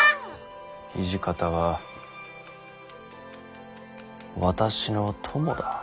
土方は私の友だ。